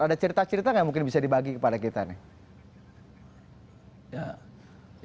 ada cerita cerita nggak mungkin bisa dibagi kepada kita nih